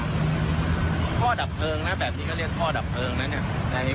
ข้อดับเพลิงนะแบบนี้ก็เรียกท่อดับเพลิงนะเนี่ย